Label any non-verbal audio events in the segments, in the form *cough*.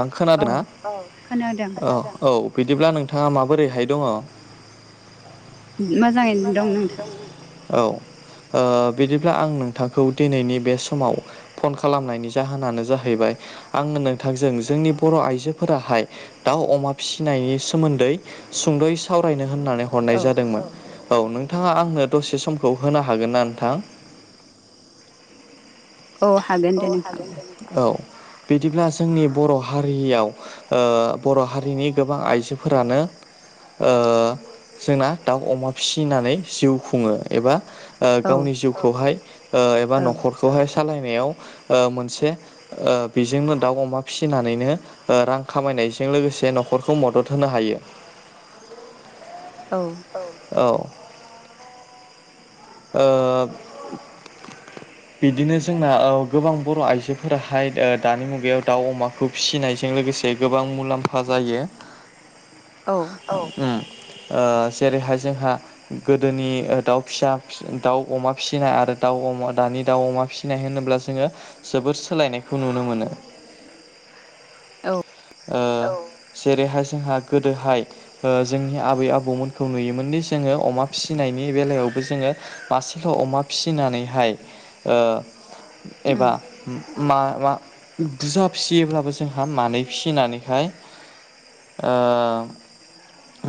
आं खोनादों ना औ औ बिदिब्ला नोंथाङा माबोरैहाय दङ? मोजाङैनो दं नोंथां। औ बिदिब्ला आं नोंथांखौ दिनैनि बे समाव फन खालामनायनि जाहोनानो जाहैबाय आङो नोंथांजों जोंनि बर' आइजोफोराहाय दाउ अमा फिसिनायनि सोमोन्दै सुंद'यै सावरायनो होननानै हरनाय जादोंमोन। औ नोंथाङा आंनो दसे समखौ होनो हागोन ना नोंथां? औ हागोन। औ हागोन औ बिदिब्ला जोंनि बर' हारियाव बर' हारिनि गोबां आइजोफोरानो जोंना दाउ अमा फिसिनानै जिउ खुङो एबा गावनि जिउखौहाय एबा न'खरखौहाय सालायनायाव मोनसे बेजोंनो दाउ अमा फिसिनानैनो रां खामायनायजों लोगोसे न'खरखौ मदद होनो हायो। औ औ आओ बिदिनो जोंना गोबां बर' आइजोफोराहाय दानि मुगायाव दाउ अमा ब खौ फिसिनायजों लोगोसे गोबां मुलाम्फा जायो। औ जेरैहाय जोंहा गोदोनि दाउ फिसा दाउ अमा फिसिनाय आरो दाउ अमा दानि दाउ अमा फिसिनाय होनोब्ला जोङो जोबोर सोलायनायखौ नुनो मोनो। औ जेरैहाय जोंहा गोदोहाय जोंनि आबै आबौमोनखौ नुयोमोनदि जोङो अमा फिसिनायनि बेलायावबो जोङो मासेल' अमा फिसिनानैहाय एबा माबा बुरजा फिसियोब्लाबो जोंहा मानै फिनानैहाय ओ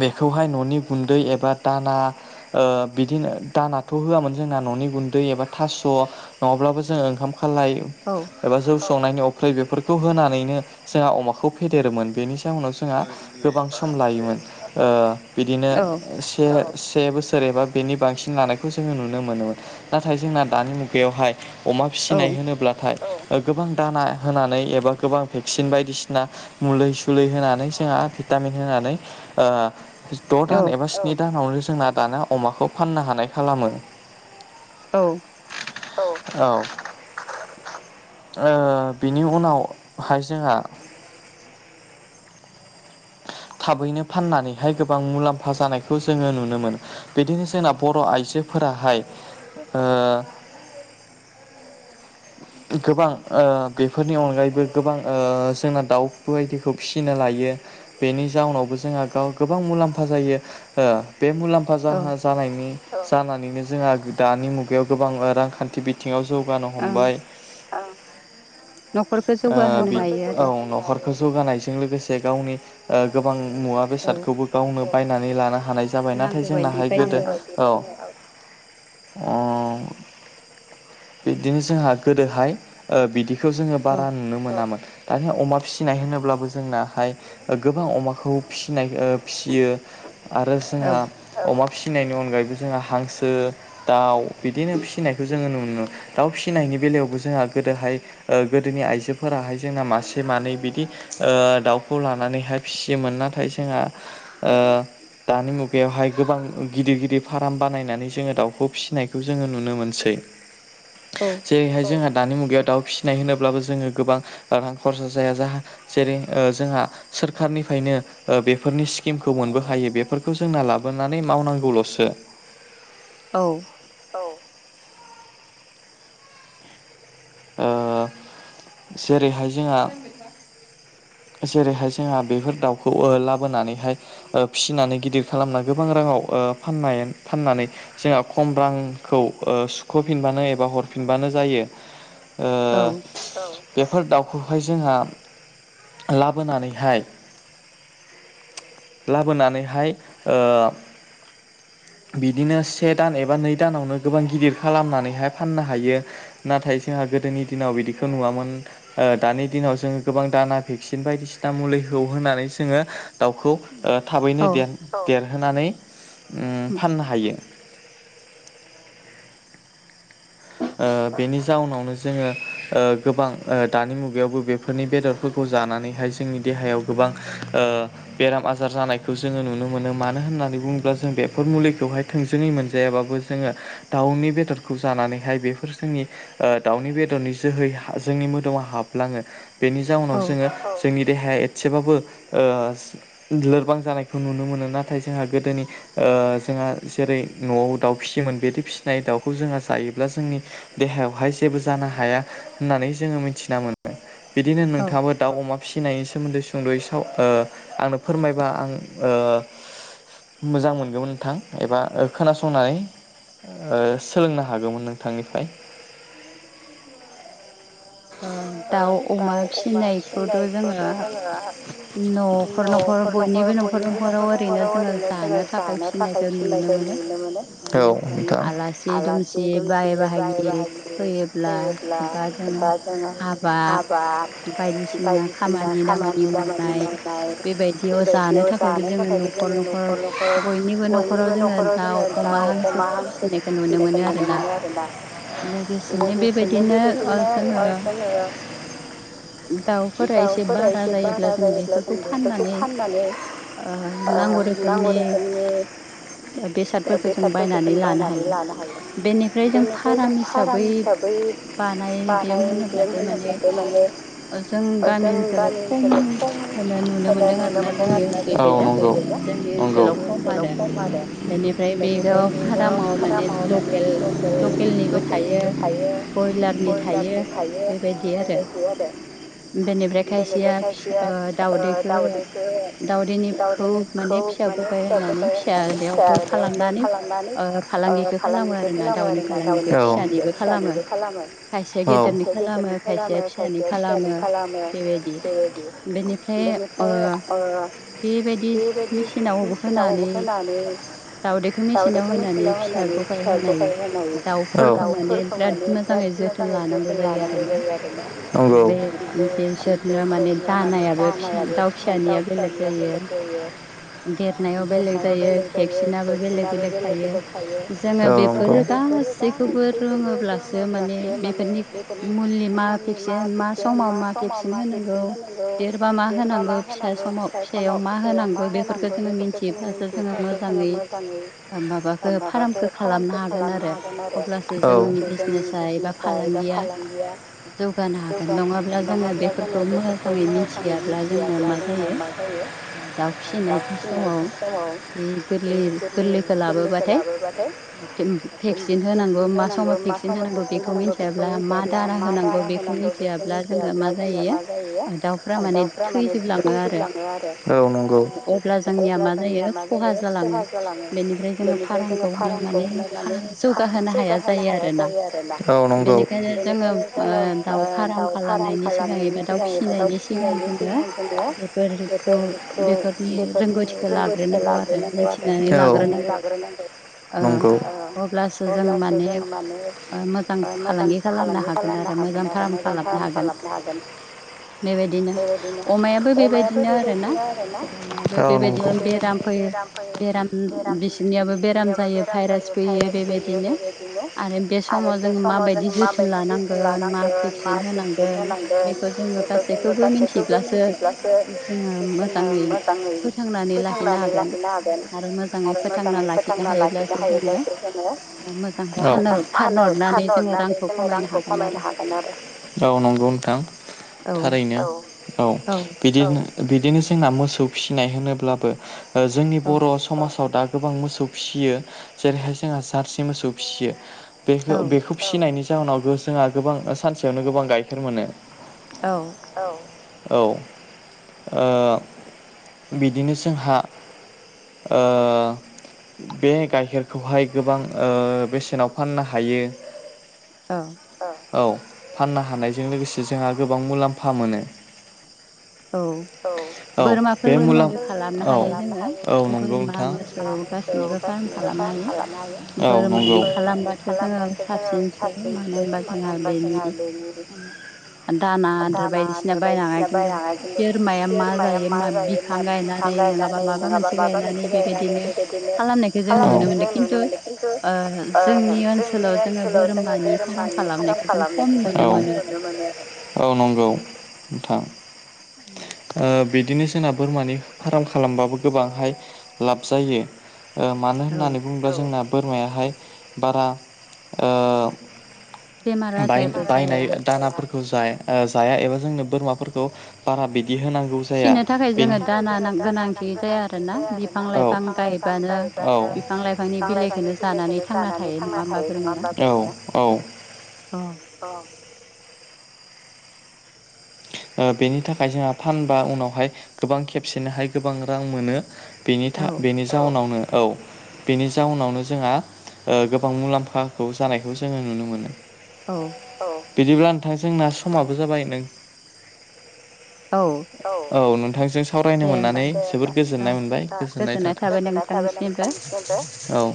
बेखौहाय न'नि गुन्दै एबा दाना बिदिनो दानाथ' होआमोन जोंना न'नि गुन्दै एबा थास' नङाब्लाबो जोंङ ओंखाम खालाय औ जौ संनायनि अफ्लै बेफोरखौ होनानैनो जोंहा अमाखौ फेदेरोमोन बेनि नाव जोंहा गोबां सम लायोमोन बिदिनो से से बोसोर एबा बेनि बांसिन लानायखौ जोङो नुनो मोनोमोन नाथाय जोंना दानि मुगायावहाय अमा फिसिनाय होनोब्लाथाय गोबां दाना होनानै एबा गोबां भेक्सिन बायदिसिना ना मुुलि सुुलि होनानै जोंहा भिटामिन होनानै द' दान एबा स्नि दानावनो जोंना दाना अमाखौ फाननो हानाय खालामो। औ औ बिनि उनावहाय जोंहा थाबैनो फाननानैहाय गोबां मुलाम्फा जानायखौ जोङो नुनो मोन। बिदिनो जोंना बर' आइजोफोराहाय ओ गोबां बेफोरनि अनगायैबो गोबां जोंना दाउ बायदिखौ फिसिनो लायो। बेनि जाउनावबो जोंहा गाव गोबां मुलाम्फा जायो बे मुलाम्फा जाह जानायनि जानानैनो जोंहा दानि मुगायाव गोबां रांखान्थि बिथिङाव जौगानो हम्बाइ ओ बि औ न'खर जौगानायजों लोगोसे गावनि ओ गोबां मुवा बेसादखौबो गावनो बायनानै लानो हानाय जाबाय नाथाय जोंनाहाय गोदो औ अ बिबदिनो जोंहा गोदोहाय ओ बिदिखौ जोङो बारा नुनो मोनामोन। दानिया अमा फिसिनाय होनोब्लाबो जोंनाहाय गोबां अमाखौ फिसिनाय ओ फिसियो आरो जोंहा अमा फिसिनायनि अनगायैबो जोंहा हांसो दाउ बिदिनो फिसिनायखौ जोङो नुनो दाउ फिसिनायनि बेलायावबो जोंहा गोदोहाय ओ गोदोनि आइजोफोराहाय जोंना मासे मानै बिदि ओ दाउखौ लानानैहाय फिसियोमोन नाथाय जोंहा ओ दानि मुग बेवहाय गोबां गिदिर गिदिर फाराम बानायनानै जोङो दाउखौ फिसिनायखौ जोङो नुनो मोनसै औ जेहाय जोंहा दानि मुगायाव दाउ फिसिनाय होनोब्लाबो जोङो गोबां रां खरसा जाया जाहा जेरै ओ जोंहा सोरखारनिफ्रायनो ओ बेफोरनि स्किमखौ मोनबो हायो बेफोरखौ जोंना लाबोनानै मावनांगौल'सो। औ औ ओ जेरैहाय जोंहा जेरैहाय जोंहा बेफोर दाउखौ ओ लाबोनानैहाय ओ फिसिनानै गिदिर खालामना गोबां राङाव ओ फाननाय फाननानै जोंहा खम रांखौ ओ सुख'फिनबानो एबा हरफिनबानो जायो। ओ बेफोर दाउखौहाय जोंहा लाबोनानैहाय लाबोनानैहाय ओ बिदिनो से दान एबा नै दानावनो गोबां गिदिर खालामनानैहाय फाननो हायो नाथाय जोंहा गोदोनि दिनाव बिदिखौ नुवामोन ओ दानि दिनाव जोङो गोबां दाना भेक्सिन बायदिसिना मुलिखौ होनानै जोङो दाउखौ ओ थाबैनो देर-देरहोनानै उम होनानै फाननो हायो। ओ बेनि जाउनावनो जोङो ओ गोबां ओ दानि मुगायावबो बेफोरनि बेदर फोरखौ जानानैहाय जोंनि देहायाव गोबां ओ बेराम आजार जानायखौ जोङो नुनो मोनो मानो होननानै बुङोब्ला जों बेफोर मुलिखौहाय थोंजोङै मोनजायाबाबो जोङो दाउनि बेदरखौ जानानै हाय बेफोर जोंनि ओ दाउनि बेदरनि जोहै जोंनि मोदोमाव हाबलाङो बेनि जाउनाव जोङो जोंनि देहाया एसेबाबो ओ लोरबां जानायखौ नुनो मोनो नाथाय जोंहा गोदोनि ओ जोंहा जेरै न'आव दाउ फिसियोमोन बेदि फिसिनाय दाउखौ जोंहा जायो ब्ला जोंनि देहायावहाय जेबो जानो हाया होननानै जोङो मिथिना मो बिदिनो नोंथाङाबो दाउ अमा फिसिनायनि सोमोन्दै सुंद'यै साव ओ आंनो फोरमायबा आं ओ मोजां मोनगौमोन नोंथां एबा ओ खोनासंनानै ओ सोलोंनो हागौमोन नोंथांनिफ्राय। ओ दाउ अमा फिसिनायखौथ' जोङो न'खर न'खर बयनिबो न'खर न'खराव ओरैनो जोङो जानो थाखाय फिनायखौ नुनो मोनो। औ नोंथां ब्ला *unintelligible* बा बायदिसिना खामानि दामानि मावनाय बेबायदियाव जानो थाखायबो जोङो न'खर न'खर बयनिबो न'खराव जोङो दाउ अमा हांसो फिसिनायखौ नुनो मोनो आरोना। लोगोसेनो बेबायदिनो अ जोङो दाउफोरा एसे बारा जायोब्ला जों बेफोरखौ फाननानै औ नांगौ रोखोमनि दा बेसादफोरखौ जों बायनानै लानो हायो। बेनिफ्राय जों फाराम हिसाबै बानायगोन होनो बेखौ माने जों गामि ओनसोलाव खमखौनो नुनो मोनदों आरो ना जोंनि ओनसोलाव खैजा जोंनि ओनसोलाव खम आरो बेनिफ्राय बेराव फारामाव माने ल केल लकेलनिबो थायो बयलारनि थायो। *unintelligible* बेेलेगा खायसेया दावदैखो दावदैनि खौ माने फिसा *unintelligible* होननानै फिसायावबो खालामनानै ओ फालांगिबो खालामो आरो ना दाउनिजों फिसानिबो खालामो। खायसे गेदेरनि खाला खालामो खायसे फिसानि खालामो बेबायदि बेनिफ्राय ओ बेबायदि मेचिनाव होनानै दाउदैखौ मेसिनाव होनानै फिसा गबाय होनाय दाउफोरखौ माने बिराद मोजाङै जोथो लानांगौ जायो आरो बे-बेसोरनो माने दानायाबो फिसा दाउ फिसानिया बेलेग जायो। देरनायाव बेलेग जायो भेक्सिनाबो बेलेक बेलेक थायो जोङो बेफोरो गासि सैखौबो रोङोब्लासो माने बेफोरनि *unintelligible* मोनि मा भेक्सिन मा समाव मा भेक्सिन होनांगौ देरबा मा होनांगौ साइखनाव फिसायाव मा होनांगौ बेफोरखौ जोङो मिन्थियोब्लाखौ जोङो मोजाङै माबाखौ फारामखौ खालामनो हागोन आरो औ जों *unintelligible* जाय एबा फालांगिया जौगानो हागोन नङाब्ला जोङो बेफोरखौ मोजाङै मिथियाब्ला जोङो मा जायो बा फुनाय समाव बे गोरलै-गोरलैखौ लाबोबाथाय भेकसिन होनांगौ मा समाव भेकसिन होनांगौ बेखौ मिथियाब्ला मा दारा होनांगौ बेखौ मिथियाब्ला जोङो मा जायो दाउफ्रा माने थैजोबलाङो आरो। औ नंगौ अब्ला जोंनिया मा जायो खहा जालाङो बेनिफ्राय जोङो फारामखौ होनो नानै फारामखौ जौगाहोनो हाया जायो आरोना औ नंगौ बेनिखायनो जोङो दाउ फाराम खालामनायनि सिगां एबा दाउ फिसिनायनि सिगाङाव जोङो *unintelligible* बेफोरनि रोंगथि लाग्रो नांगौ आरो औ मिथिनानै लाग्रो नांगौ। नंगौ औ अब्लासो जोङो माने मोजां खालामनो हागोन आरो मोजां फाराम खालामनो हागोन। बेबायदिनो अमायाबो बेबायदिनो आरोना अमायाबो बेबायदिनो बेराम फैयो। बेराम बिसिनियाबो बेराम जायो भाइरास फैयो बेबायदिनो। आरो बे समाव जोङो माबायदि जोथोन लानो जोथोन लानांगोन मा भेकसिन होनांगोन बेखौ जोङो गासैखौबो मिथिब्लासो सो जोङो मोजाङै फोथांनानै लाखिनो हागोन। आरो मोजाङै फोथांना लाखिनो हायोब्लासो जोङो औ फानहर-फानहरनानै जोङो रां खौ खामायनो हागोन आरो औ नंगौ नोंथां। थारैनो औ औ बिदिनो बिदिनो जोंना मोसौ फिसिनाय होनोब्लाबो जोंनि बर' समाजाव दा गोबां मोसौ फिसियो जेरैहाय जोंहा जारसि मोसौ फिसियो बेखौ-बेखौ फिसिनायनि जाहोनाव जोंहा गोबां सानसेयावनो गोबां गाइखेर मोनो। औ औ औ बिदिनो जोंहा ओ बे गाइखेरखौहाय गोबां ओ बेसेनाव फाननो हायो। औ औ फाननो हानायजों लोगोसे जोंहा गोबां मुलाम्फा मोनो। औ औ बे मुलाम औ औ नंगौ नोंथां। औ गासिनोबो फाहाम खालामनो हायो औ नंगौ खालामबासो जोंङो बे मानो होनबा जों आरो बे दाना आदार बायदिसिना बायनानै बोरमाया मा जायो मा बिफां गायनानै नङाबा माबा मोनसे गायनानै। बिदिनो खालामनायखौ जों नुनो मोनो खिन्थु जोंनि ओ ओनसोलाव जोङो धोरोमारि औ-औ नंगौ नोंथां। उम ओ बिदिनो जोंना बोरमानि फार्म खालामबाबो गोबांहाय लाब जायो। ओ मानो होननानै बुङोब्ला जोंना बोरमायाहाय बारा ओ बाय बायनाय दानाफोरखौ जाया एबा जोंनो बोरमाफोरखौ बारा बिदि होनांगौ। जाया बेनि थाखाय जो दाना गोनांथि जाया आरोना औ बिफां-लायफां औ बिफां लाइफांनि बिलायखौनो जानानै थांना थायो नङा होनबा? औ-औ अ अ ओ बेनि थाखाय जोंहा फानबा उनावहाय गोबां खेबसेनोहाय गोबां रां मोनो। बिनि था-बेनि जाहोनावनो औ। बेनि जाहोनावनो जोंहा ओ गोबां मुलाम्फाखौ जानायखौ जोङो नुनो मोनो। औ बिदिब्ला नोंथां जोंना समाबो जाबाय नों औ औ नोंथांजों सावरायनो मोननानै जोबोद गोजोननाय मोनबाय गोजोननाय थाथोंसै औ गोजोननाय थाबाय नोंथांनिसिमबो औ।